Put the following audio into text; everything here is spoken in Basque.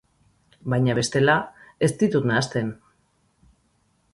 Baina, bestela, ez ditut nahasten.